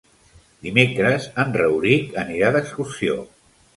Dimecres en Rauric anirà d'excursió.